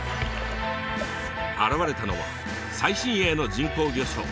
現れたのは最新鋭の人工魚礁